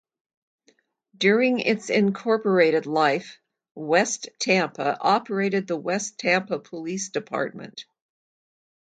During its incorporated life, West Tampa operated the West Tampa Police Department.